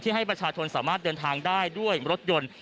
ให้ประชาชนสามารถเดินทางได้ด้วยรถยนต์